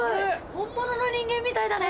本物の人間みたいだね。